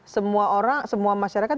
semua orang semua masyarakat